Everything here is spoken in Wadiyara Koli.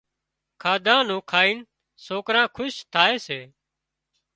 کاڌا نُون کائين سوڪران خوش ٿائي سي